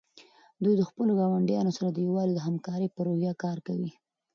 دوی د خپلو ګاونډیانو سره د یووالي او همکارۍ په روحیه کار کوي.